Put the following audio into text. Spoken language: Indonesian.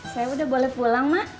saya udah boleh pulang mak